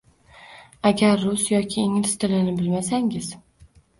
Agar rus yoki ingliz tilini bilmasangiz